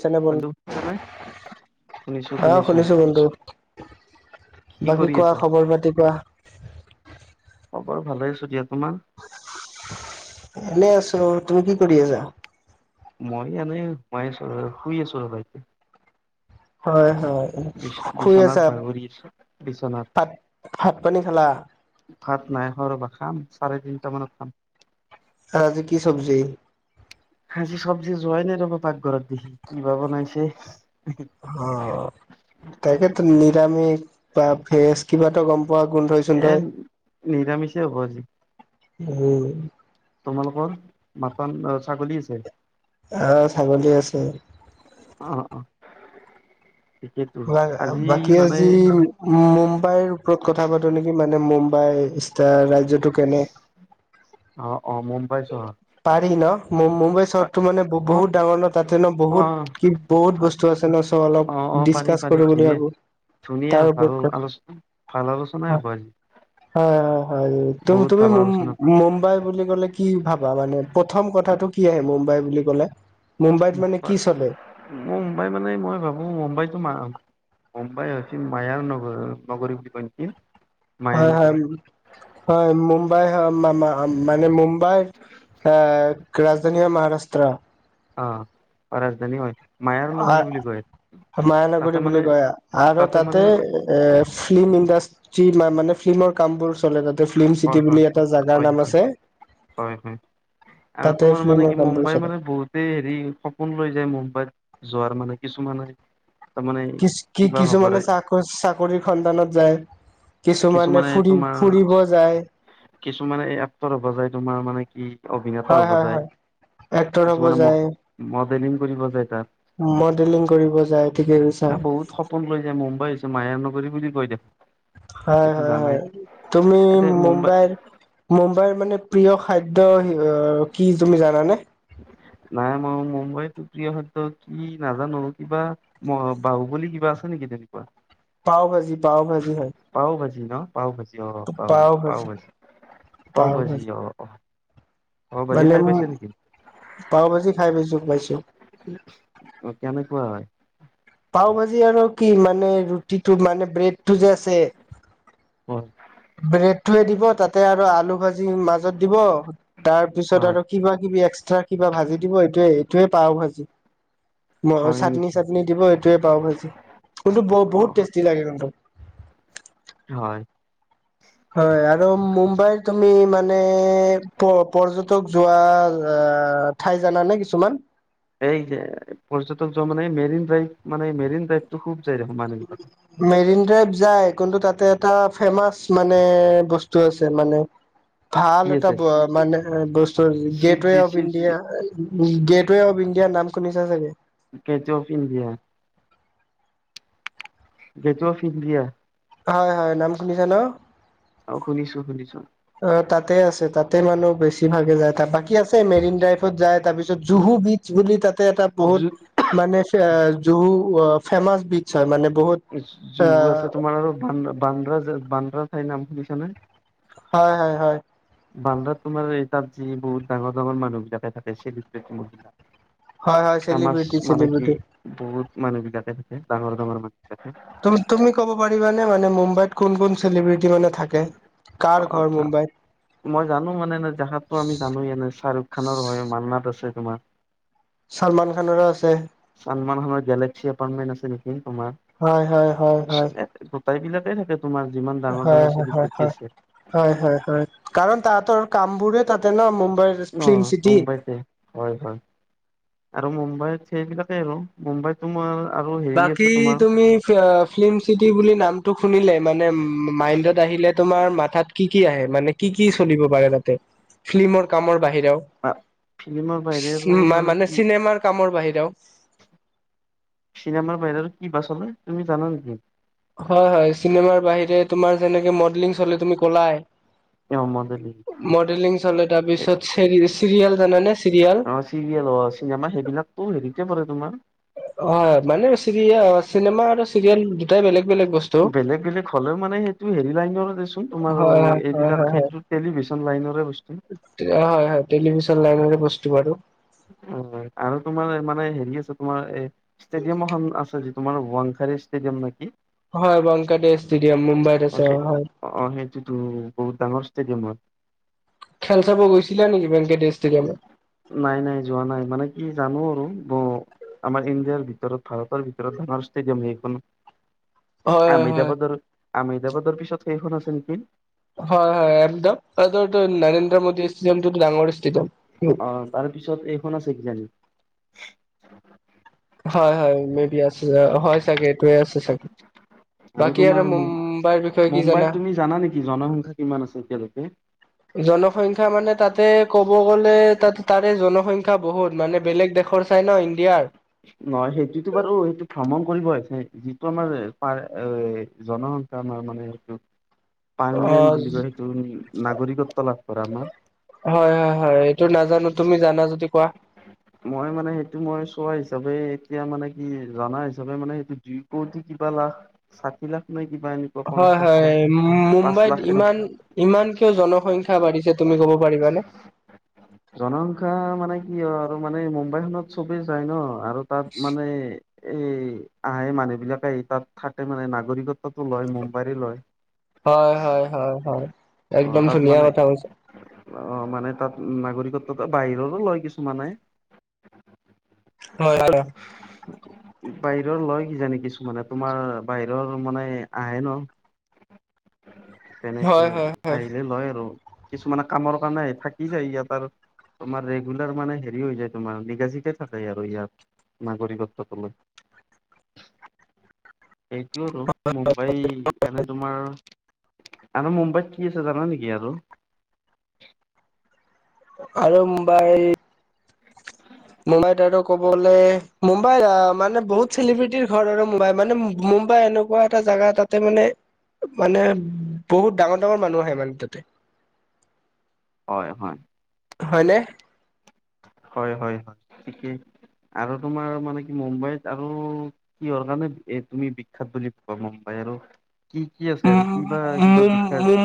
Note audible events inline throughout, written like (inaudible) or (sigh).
শুনিছা বন্ধু আহ শুনিছো বন্ধু কি বাকী কৰি কোৱা আছা? খবৰ পাতি কোৱা খবৰ ভালে আছো দিয়া তোমাৰ এনেই আছো তুমি কি কৰি আছা মই এনে ঘুমাই আছো শুই আছো ৰবা এতিয়া হয় হয় বিচ শুই বিচনাত আছা বাগৰি আছো। বিচনাত। ভাত ভাত পানী খালা ভাত নাই খোৱা ৰ'বা খাম চাৰে তিনটা মানত খাম আৰ আজি কি চব্জি আজি চব্জি যোৱাই নাই ৰ'ব পাকঘৰতদি কিবা বনাইছে অ তাকেটো নিৰামিষ বা ভেজ কিবা এটা গম পোৱা গোন্ধই এ চোন্ধই নিৰামিষে হ'ব আজি উম তোমালোকৰ মাটন অ ছাগলী আছে অঁ ছাগলী আছে অ অ ঠিকেইতো। আজি (unintelligible) বাকি মানে আজি মুম্বাইৰ ওপৰত কথা পাতোঁ নেকি, মানে মুম্বাইৰ (unintelligible) ৰাজ্যটো কেনে? অ', অ', মুম্বাই চহৰ? পাৰি ন? মুম্ব-মুম্বাই পা- চহৰটো মানে অ বহুত ডাঙৰ ন' তাতে ন' অ বহুত কি বহুত বস্তু আছে ন, চ' অ অ অলপ পাৰি ডিচকাচ পাৰি কৰোঁ বুলি ধুনীয়া ভাবোঁ। ধুনীয়া ভাল আলোচনা, ভাল আলোচনাই হ'ব আজি। হয়, হয়, হয়। বহুত তুমি ভাল আলোচনা মুম্বাই বুলি ক'লে কি ভাব মানে প্ৰথম কথাটো কি আহে মুম্বাই বুলি ক'লে? মুম্বাইত মানে মুম্বাই, কি চলে মুম্বাই মানে মই ভাবোঁ মুম্বাইতো ম মুম্বাই (unintelligible) মায়াৰ নগৰ আৰু নগৰি বুলি কয় নেকি? মায়া হয়, হয়, নগৰী হয়, মুম্বাই হয়, মা- মানে মুম্বাই এ, ৰাজধানী হয়, মহাৰাষ্ট্ৰ। অ', ৰাজধানী হয়। মায়াৰ নগৰী বুলি কয় (unintelligible) তাতে মায়ানগৰী মানে বুলি কয় আৰু তাতে এ, ফিল্ম ইণ্ডাষ্ট্ৰিৰ মানে ফিল্মৰ কামবোৰ চ'লে তাতে। ফিল্ম হয় চিটি হয় বুলি এটা জাগাৰ হয় নাম হয় আছে। হয়, হয়, আৰু তাতে তোমাৰ মানে ফিল্মৰ কি কামবোৰ মুম্বাই চলে মানে বহুত হেৰি সপোন লৈ যায় মুম্বাইত যোৱাৰ মানে কিছুমানে। তাৰমানে কিছ - কিবা হ'ব কিছুমানে চা চাকৰি সন্ধানত ত যায়, কিছুমানে ফুৰি ফুৰিব যায়। কিছুমানে এই আত্তৰ হ'ব যায় তোমাৰ মানে কি অভিনেতা হয় হ'ব হয় যায়। হয় এক্টৰ হ'ব কিছুমানে যায় ম-মডেলিং কৰিব যায় তাত। মডেলিং কৰিব যায় তাত ঠিকেই কৈছা। (unintelligible) মুম্বাইছে মায়ানগৰী বুলি কৈ দে। হয়, হয়, হয়। তুমি এতে মুম্বাই মুম্বাইৰ মুম্বাইৰ মানে প্ৰিয় খাদ্য কি তুমি জানানে? নাই, মই মুম্বাইত প্ৰিয় খাদ্য কি নাজানোঁ কিবা ম বাহুবলি কিবা আছে নেকি তেনেকুৱা? পাওভাজি, পাৱভাজি হয়। পাও ভাজি ন'! পাওঁভাজি অ', পাও ভাজি পাওভাজি, পাও পাওঁভাজি ভাজি অ'। পাও ভাজি মানে খাই পাইছে নেকি পাওভাজি খাই পাইছোঁ, পাইছোঁ। অ', কেনেকুৱা হয়? পাওভাজি আৰু কি মানে ৰুটিটো মানে ব্ৰেডটো যে আছে! ক'ত? ব্ৰেডটোৱে দিব তাতে আৰু আলু ভাজি মাজত দিব, তাৰ পিছত হয় আৰু কিবা কিবি এক্সট্ৰা কিবা ভাজি দিব এইটোয়ে এইটোয়ে পাওভাজি। (unintelligible) হয় চাটনি, নেকি চাটনি দিব এইোৱে পাওঁভাজি, কিন্ত অ বহুত টেষ্টি লাগে কিন্ত। হয়। হয়, আৰু মুম্বাইত তুমি মানে প- পৰ্যটক যোৱা ঠাই জানা নে কিছুমান? এই যে পৰ্যটক যোৱা মানে মেৰিন ড্ৰাইভ, মানে মেৰিন ড্ৰাইভটো খুব যায় দেখোঁ মানুহবিলাক। মেৰিন ড্ৰাইভ যায়, কিন্তু তাতে এটা ফেমাচ মানে বস্তু আছে মানে। কি ভাল এটা আছে মানে বস্তু গেটৱে শিৱজি অফ শিৱ ইণ্ডিয়া। শি গেটৱে অফ ইণ্ডিয়াৰ নাম শুনিছা চাগে? Case of India gate of India হয় হয় নাম শুনিছা ন অ শুনিছো শুনিছো অ তাতে আছে তাতে মানুহ বেছি ভাগে যায় ত বাকী আছে মেৰিন ড্ৰাইভত যায় তাৰপিছত জুহু বিচ বুলি তাতে এটা বহুত যত মানে জহু ফেমাচ বিচ হয় মানে বহুত অ জুু আছে তোমাৰ আৰু বান্ৰা বান্দ্ৰা ঠাইৰ নাম শুনিছা নে। হয়, হয়, হয়। বালেদা, তোমাৰ এই তাত যি বহুত ডাঙৰ ডাঙৰ মানুহ বিলাকে থাকে, মহিলা। হয় হয় ফেমাচ চেলিব্ৰিটি মানে কি, চেলিব্ৰিটি বহুত মানুহে যাক চিনি পায়, ডাঙৰ ডাঙৰ মানুহ বুলি কয়। তুমি ক'ব পাৰিবা নে, মুম্বাইত কোন কোন চেলিব্ৰিটি মানে থাকে? কাৰ ঘৰ আচ্ মুম্বাইত মই জানো মানে এ জাহাদটো আমি জানো এনে শ্বাহৰুখ খানৰ হয়, মানে তোমাৰ তাত আছে নেকি? ছলমান খানৰো আছে। ছালমান হানৰ গেলেক্সি এপাৰ্টমেট আছে নেকি তোমাৰ। হয় হয় হয় হয়। গোটাই বিলাকে থাকে। তোমাৰ যিমান- ডাঙৰ হয় ডাঙৰ হয় হয় চেলিব্ৰেটি হয়। আছে হয় হয় হয় কাৰণ তাহাতৰ কাম বোৰে তাতে ন মুম্বাইৰ অ ফিল্ম চিটি। মুম্বাইতে হয় হয়। আৰু মুম্বাইত সেইৰোতে আৰু মুম্বাইত তোমাৰ আৰু হেৰি বাকী আছে তোমাৰ। (unintelligible) ফিল্ম চিটি বুলি নামটো শুনিলে মানে মাইণ্ডত আহিলে তোমাৰ মাথাত- কি কি আহে, মানে কি কি চলিব পাৰে তাতে ফিল্মৰ কামৰ বাহিৰেও্ ফিল্মৰ বাহৰে আৰু মানে কি, কামৰ বাহিৰেও- চিনেমাৰ বাহিৰে আৰু কি বা ছলে তুমি জানা নেকি, হয় হয় চিনেমাৰ বাহিৰে তোমাৰ যেনেকে মডেলিং চলে তুমি কলাই। মডেলিং মডেলিং চলে তাৰ পিছত চ চিৰিয়েল জানানে চিৰিয়েল। অ চিৰিয়েল হ'ল চিনেমা সেইবিলাকো হেৰিতে পৰে তোমাৰ- হয় মানে চিৰিয়া চিনেমা আৰু চিৰিয়েল দুটাই বেলেগ বেলেগ বস্তু। বেলেগ বেলেগ হ'লেও মানে সেইটো হেৰি লাইনৰ দেচোন তোমাৰ হয় হয় হয় এইবিলাক হয় সেইটোত- টেলিভিছন লাইনৰে বস্ত। হয় হয় টেলিভিশন লাইনেৰে বস্তু পাৰোঁ। অ' আৰু তোমাৰ মানে হেৰি আছে তোমাৰ এ, ষ্টেডিয়াম এখন আছে যি তোমাৰ ৱাংখাৰী ষ্টেডিয়াম নেকি। হয় ৱাংকটেশ ষ্টেডিয়াম মুম্বাইত আছে হয়। অ' অ' সেইটোতো বহুত ডাঙৰ ষ্টেডিয়ামত। খেল চাব গৈছিলা নেকি ৱেংকে ষ্টুডিয়ামত। নাই নাই, যোৱা নাই মানে কি জানো আৰু ব। আমাৰ ইণ্ডিয়াৰ ভিতৰত, ভাৰতৰ ভিতৰত ডাঙৰ ষ্টেডিয়াম সেইখন। (unintelligible) (unintelligible) হয় আহমেদাবাদৰ আহমেদাবাদৰ পিছত সেইখন আছে নেকি। হয় হয়, একদমটো নৰেন্দ্ৰ মোদী ষ্টেডিয়ামটো ডাঙৰ ষ্টেডিয়াম। অ' তাৰপিছত এইখন আছে কিজানি। হয় হয়, মে বি আছে জা, হয় চাগে এইটোৱে আছে চাগে। আৰু বাকী তোমাৰ মূম, মুম্বাইৰ বিষয়ে কি জানা মুম্বাইত তুমি জানা নেকি জনসংখ্যা কিমান আছে এতিয়ালৈকে? জনসংখ্যা মানে তাতে ক'ব গ'লে তাত তাৰে জনসংখ্যা বহুত মানে বেলেগ দেশৰ চাই ন, ইণ্ডিয়াৰ। নহয়, সেইটোতো বাৰু সেইটো ভ্ৰমণ কৰিব আহিছে যিটো আমাৰ পাৰ এ জনস আমাৰ মানে সেইটো অ পাৰ্মিনেন্ট বুলি কয় সেইটো নাগৰিকত্ব লাভ কৰা আমাৰ। হয় হয়, এইটো নাজানো, তুমি জানা যদি কোৱা? মই মানে সেইটো মই চইচ চবেই এতিয়া মানে কি জনা হিচাপে মানে এইটো দুই কোটি কিবা লাখ? ষাঠী লাখ নাই কিবা এনে? হয় হয় মুম্বাইত ইমান এনেকুৱা ইমান কিয় জনসংখ্যা বাঢ়িছে তুমি ক'ব পাৰিবানে? জনসংখ্যা মানে কি হয় আৰু মানে মুম্বাইখনত চবেই যায় ন আৰু তাত মানে এ আহে মানুহবিলাকে আহি তাত থাকে মানে নাগৰিক তটো লয় মুম্বাইৰে লয়। এ হয় হয়। অ একদম তাত ধুনীয়া মানে, কথা কৈছা। অ মানে তাত নাগৰিকত্বটো বাহিৰৰো লয় কিছুমানে। লয় (unintelligible) বাহিৰৰ লয় কিজানি কিছুমানে, তোমাৰ বাহিৰৰ মানে আহে ন। তেনেকে হয় হয় হয় সেই লয় আৰু কিছুমানে কামৰ কাৰণে আহি থাকি যায় ইয়াত আৰু। তোমাৰ ৰেগুলাৰ মানে হেৰি হৈ যায় তোমাৰ নিগাজিকে থাকে আৰু ইয়াত। নাগৰিকত্বটো লৈ। (inaudible) সেইটো আৰু মুম্বাই এনে তোমাৰ এনে মুম্বাইত কি আছে জানা নেকি আৰু? আৰু মুম্বাই মুম্বাইত আৰু ক'ব গলে, মুম্বাইত আ মানে বহুত চেলিব্ৰিটিৰ ঘৰ আৰু মুম্বাই মানে মূ্ মুম্বাই এনেকুৱা এটা জাগা তাতে মানে মানে বহুত ডাঙৰ - ডাঙৰ মানুহ আহে মানে তাতে। হয় হয়। হয়নে? হয় হয় হয় ঠিকেই আৰু তোমাৰ মানে কি মুম্বাইত আৰু কিহৰ কাৰণে এ তুমি বিখ্যাত বুলি কোৱা মুম্বাই আৰু? কি কি আছে আৰু কিবা কিবা বিখ্যাত?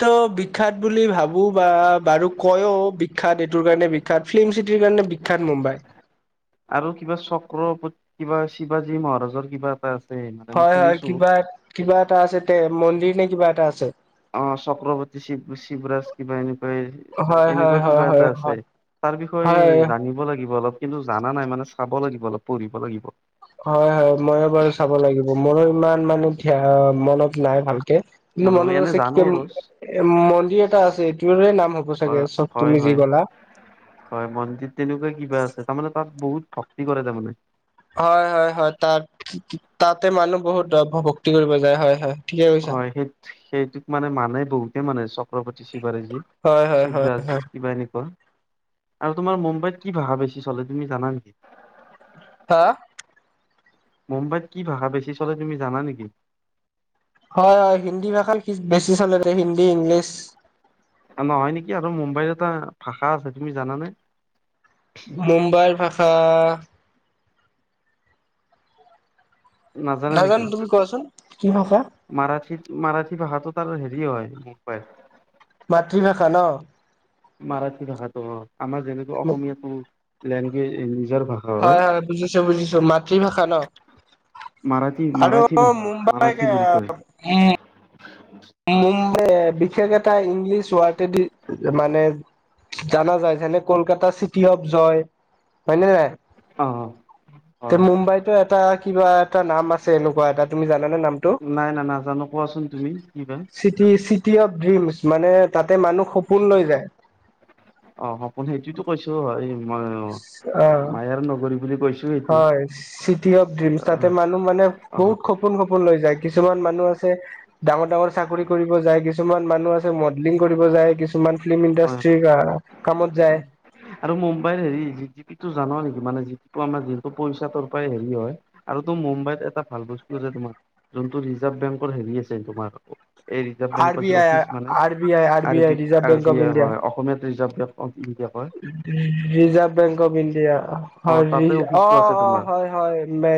ত বিখ্যাত বুলি ভাবো বা বাৰু কৈও বিখ্যাত এইটোৰ কাৰণে বি খ্যাত ফিল্ম চিটিৰ কাৰণে বিখ্যাত মুম্বাই। আৰু কিবা চক্ৰ পত কিবা শিৱাজী মহাৰাজৰ কিবা এটা আছে? মানে মই হয় হয় শুনিছো কিবা কিবা এটা আছে তে মন্দিৰ নে কিবা এটা আছে? অ চক্ৰৱৰ্তী শিৱ শিৱৰাজ কিবা এনেকুৱা হয় ই হয় এনেকুৱা হয় কিবা হয় এটা আছে হয় তাৰ হয় বিষয়ে জানিব লাগিব অলপ কিন্তু জানা নাই মানে চাব লাগিব, অলপ পঢ়িব লাগিব। হয় হয় ময়ো বাৰু চাব লাগিব, মোৰো ইমান মানে ধ্যা মনত নাই ভালকে। কিন্তু মানুহ মনত এনে আছে কি জানো কেন আৰু এ, মন্দিৰ এটা আছে। এইটোৰে নাম হ'ব অ চাগে, চব হয় তুমি, যি হয় গ'লা। হয়, মন্দিৰ। তেনেকুৱা কিবা আছে। তাৰমানে, তাত বহুত ভক্তি কৰে, তাৰমানে। হয়, হয়, হয়! তাত, তাতে মানুহ বহুত, ভক্তি কৰিব যায়। হয়, হয়! ঠিকে কৈছা হয়! সেই, সেইটোত মানে, মানে বহুতে মানে, চক্ৰৱৰ্তী শিৱাৰ্জী। হয় হয় হয় শিৱৰাজ, কিবা এনেকুৱা। আৰু তোমাৰ, মুম্বাইত কি ভাষা বেছি চলে, তুমি জানা নেকি? হা! মুম্বাইত কি ভাষা বেছি চলে, তুমি জানা নেকি? হয়, হয়! হিন্দী ভাষাত, বেছি চলে, হিন্দী, ইংলিছ। নহয় নেকি আৰু। মুম্বাইৰ এটা ভাষা আছে, তুমি জানানে? মুম্বাইৰ ভাষা, নাজানোঁ। তুমি কোৱাচোন, কি ভাষা? মাৰাঠী, মাৰাঠী ভাষাটো তাৰ সেৰি হয়, মুম্বাইৰ। মাৰাঠী ভাষা ন'? মাৰাঠী ভাষাটো অ'! আমাৰ যেনেকে, অসমীয়াটো লেংগুৱেজ, নিজৰ ভাষা হয়, হয়! বুজিছোঁ, বুজিছোঁ। মাতৃভাষা ন'? মাৰাঠী আৰু মাৰাঠী ভাষা মাৰাঠী মুম্বাইকে, বুলি কয় উম। উম! (unintelligible) বিশেষ এটা ইংলিছ ৱাৰ্ডেদি মানে, জানা যায়। যেনে- কলকাতা চিটি অফ জয়। হয় নে নাই? অ তে হয় মুম্বাইতো এটা কিবা এটা নাম আছে, এনেকুৱা এটা। তুমি জানেনে নামটো? নাই-নাই নাজানোঁ। কোৱাচোন তুমি, কি কয়? City city of dreams. মানে, তাতে মানুহ সপোন লৈ যায়। অ'! সপোন। সেইটোৱেতো কৈছোঁ! এই মই অ' মায়াৰ নগৰী বুলি কৈছো সেইটো হয়! City of dream. অ তাতে, মানুহ মানে, অ বহুত খুব সপোন-সপোন লৈ যায়। কিছুমান মানুহ আছে, ডাঙৰ-ডাঙৰ চাকৰি কৰিব যায়। কিছুমান মানুহ আছে, মডেলিং কৰিব যায়। কিছু (unintelligible) ফিল্ম হয় ইণ্ডাষ্ট্ৰী, আঁ কামত যায়। আৰু মুম্বাইৰ সেৰি, জিডিপিটো জান নেকি? মানে, যিটো আমাৰ যিহেতু, পইচা তাৰপৰাই সেৰি হয়। আৰু তো, মুম্বাইত এটা ভাল বস্তু আছে, তোমাৰ। যোনটো ৰিজাৰ্ভ বেংকৰ সেৰি আছে তোমাৰ, এই ৰিজাৰ্ভ আৰ বেংকত বি যি, আই অফিচ মানে, আৰ বি আই আৰ আৰু আই বি, ৰিজাৰ্ভ আৰু বেংক অফ ইণ্ডিয়া অসমীয়াত ৰিজাৰ্ভ বেংক অফ ইণ্ডিয়া কয়। Reserve bank of India. অ হয়, তাতে (unintelligible) অফিচটো আছে অ' অ'! তোমাৰ হয়। হয়! মে,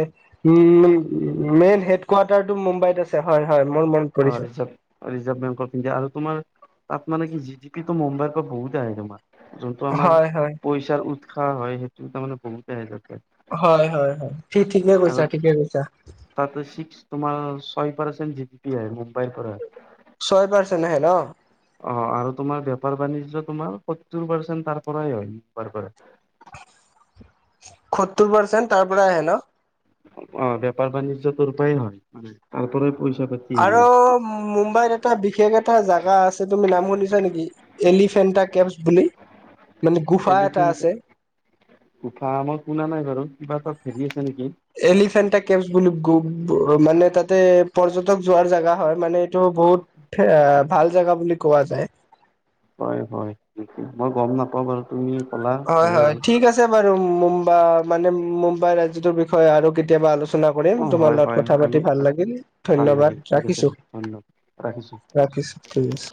মেইন (unintelligible) হেড কোৱাৰ্টাৰটো মুম্বাইত আছে। হয়, হয়! মই ম আৰু ৰিজাৰ্ভ আৰু ৰিজাৰ্ভ বেংক অফ ইণ্ডিয়া। আৰু তোমাৰ, তাত মানে কি! জিডিপিটো মুম্বাইৰ পৰা বহুত আহে, তোমাৰ। যোনটো আমাৰ, হয় হয় পইচাৰ উৎস হয়, সেইটো তাৰ মানে, বহুতে আহে। হয়, হয়, হয়! সি ঠিকে আৰু কৈছা, ঠিকে কৈছা। তাতে, ছিক্স তোমাৰ, ছয় পাৰ্চেন্ট জিডিপি আহে, মুম্বাইৰ পৰা। ছয় পাৰ্চেণ্ট আহে ন'? অ'! আৰু তোমাৰ, বেপাৰ-বাণিজ্য তোমাৰ, সত্তৰ পাৰ্চেণ্ট তাৰ পৰাই হয়। সত্তৰ পাৰ্চেণ্ট তাৰপৰা আহে ন'? অ'! বেপাৰ-বাণিজ্য তোৰ পৰাই হয়। (unintelligible) তাৰ পৰাই, পইচা-পাতি আৰু মুম্বাইত এটা, বিশেষ এটা জাগা আছে। তুমি নাম শুনিছা নেকি? এলিফেণ্টা কেভছ বুলি। মানে গুফা এটা এলিফেণ্টা আছে গোফামই শুনা নাই বাৰু কিবা তাত হেৰি আছে নেকি। এলিফেন্টা কেভছ বুলি মানে তাতে পৰ্যটক যোৱাৰ জাগা হয়। মানে এইটো বহুত এ ভাল জেগা বুলি কোৱা যায়। হয়, হয়, মই গ'ম নাপাওঁ বাৰু। তুমি ক'লা হয়, ভালেই হয়, হ'ল ঠিক আছে বাৰু, মুম্বাই মানে মুম্বাই ৰাজ্যটোৰ বিষয়ে আৰু কেতিয়াবা আলোচনা চনা কৰিম, অ তোমাৰ হয় লগত হয় কথা পাতি আমি ভাল লাগিল ভাল ধন্যবাদ লাগিল ঠিক আছে ৰাখিছো ধন্যবাদ ৰাখিছোঁ ৰাখিছো। ঠিক আছে।